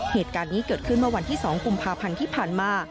เหตุการณ์นี้เกิดขึ้นเมื่อวันที่๒กุมภาพันธ์ที่ผ่านมา